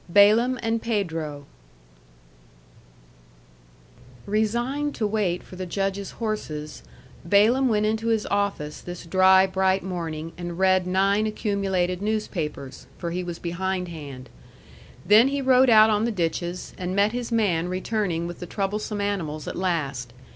BALAAM AND PEDRO Resigned to wait for the Judge's horses, Balaam went into his office this dry, bright morning and read nine accumulated newspapers; for he was behindhand. Then he rode out on the ditches, and met his man returning with the troublesome animals at last.